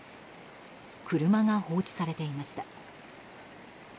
車が放置されていました。